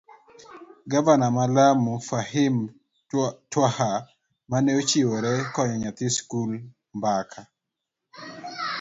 gavana ma Lamu, Fahim Twaha mane ochiwre konyo nyathi sikul. mbaka